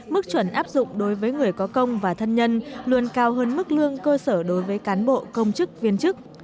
mức chuẩn áp dụng đối với người có công và thân nhân luôn cao hơn mức lương cơ sở đối với cán bộ công chức viên chức